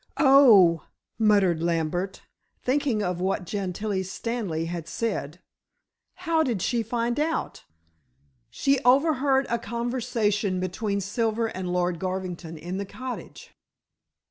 "Oh," muttered Lambert, thinking of what Gentilla Stanley had said, "how did she find out?" "She overheard a conversation between Silver and Lord Garvington in the cottage."